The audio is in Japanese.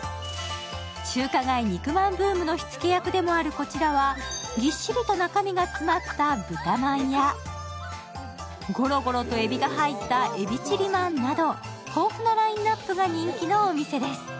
中華街肉まんブームの火付け役でもあるこちらはぎっしりと中身が詰まったブタまんやごろごろとえびが入った海老チリまんなど、豊富なラインナップが人気なお店です。